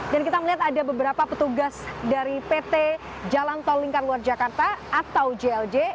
dan kita melihat ada beberapa petugas dari pt jalan tol lingkar luar jakarta atau jlj